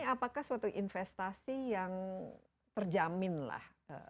apakah suatu investasi yang terjamin lah